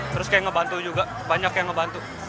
terus kayak ngebantu juga banyak yang ngebantu